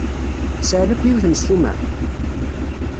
Sɛan akk yiwet n ssuma?